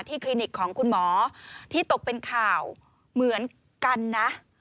คลินิกของคุณหมอที่ตกเป็นข่าวเหมือนกันนะ